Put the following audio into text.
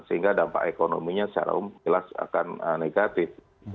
sehingga dampak ekonominya secara umum jelas akan negatif